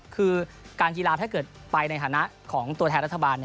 คือการกีฬาถ้าเกิดไปในฐานะของตัวแทนรัฐบาล